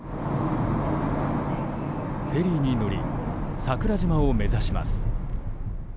フェリーに乗り桜島を目指します。